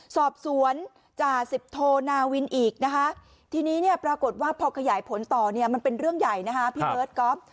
สอบสวนจ่าสิบโทนาวินอีกนะคะทีนี้เนี่ยปรากฏว่าพอขยายผลต่อเนี่ยมันเป็นเรื่องใหญ่นะคะพี่เบิร์ตก๊อฟ